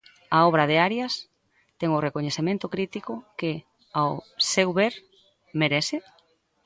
A obra de Arias ten o recoñecemento crítico que, ao seu ver, merece?